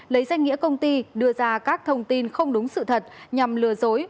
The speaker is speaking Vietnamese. lấy danh nghĩa công ty đưa ra các thông tin không đúng sự thật nhằm lừa dối